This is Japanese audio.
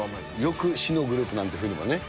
よく死のグループなんてふうにもね。